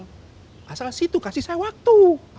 masalah si itu kasih saya waktu